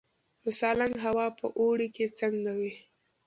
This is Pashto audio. د سالنګ هوا په اوړي کې څنګه وي؟